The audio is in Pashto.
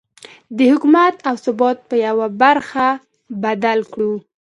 د حکومت او ثبات په يوه برخه بدل کړو.